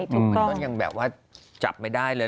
มันก็ยังแบบว่าจับไม่ได้เลย